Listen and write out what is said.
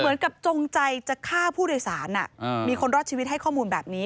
จงใจจะฆ่าผู้โดยสารมีคนรอดชีวิตให้ข้อมูลแบบนี้